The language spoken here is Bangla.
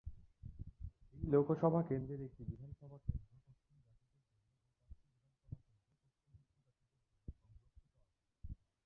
এই লোকসভা কেন্দ্রের একটি বিধানসভা কেন্দ্র তফসিলী জাতিদের জন্য এবং চারটি বিধানসভা কেন্দ্র তফসিলী উপজাতিদের জন্য সংরক্ষিত আসন।